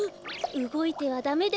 うごいてはダメです。